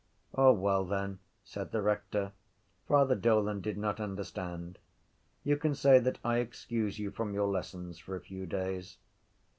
—O well then, said the rector, Father Dolan did not understand. You can say that I excuse you from your lessons for a few days.